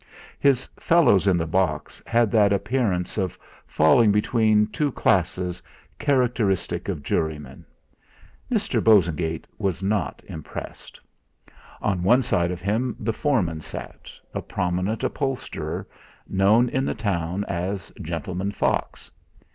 His fellows in the box had that appearance of falling between two classes characteristic of jurymen. Mr. Bosengate was not impressed. On one side of him the foreman sat, a prominent upholsterer, known in the town as "Gentleman Fox."